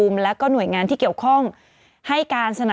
มีสารตั้งต้นเนี่ยคือยาเคเนี่ยใช่ไหมคะ